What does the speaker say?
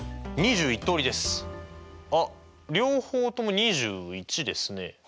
あっ両方とも２１ですね。